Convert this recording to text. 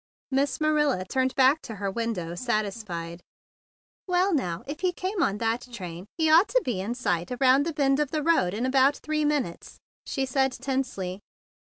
Miss Marilla turned back to her win¬ dow, satisfied. "Well, now, if he came on that train, he ought to be in sight around the bend of the road in about three minutes," she said tensely.